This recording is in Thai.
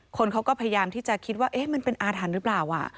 คนเขาก็พยายามที่จะคิดว่ามันเป็นอาถรรพ์หรือเปล่า